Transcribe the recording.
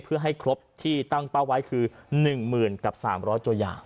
เพื่อให้ครบที่ตั้งเป้าไว้คือ๑๐๐๐กับ๓๐๐ตัวอย่าง